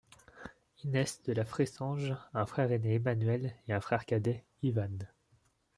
Inès de La Fressange a un frère aîné Emmanuel et un frère cadet, Ivan.